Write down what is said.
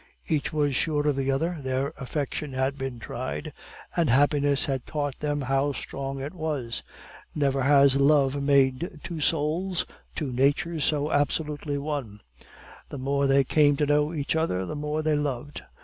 Each was sure of the other; their affection had been tried, and happiness had taught them how strong it was. Never has love made two souls, two natures, so absolutely one. The more they came to know of each other, the more they loved.